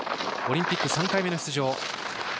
オリンピック３回目の出場。